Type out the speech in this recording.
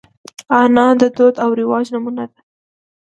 انا د دود او رواج نمونه ده